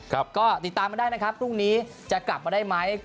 ก็ติดตามมาได้นะครับพรุ่งนี้จะกลับมาได้ไหม